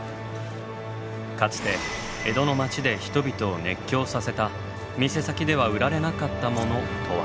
かつて江戸の街で人々を熱狂させた「店先では売られなかったもの」とは？